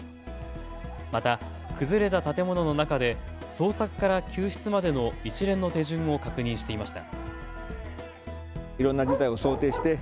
また崩れた建物の中で捜索から救出までの一連の手順を確認していました。